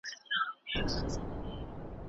ريښتونی سوداګر د پيغمبر سره وي.